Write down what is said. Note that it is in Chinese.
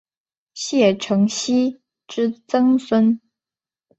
谢承锡之曾孙。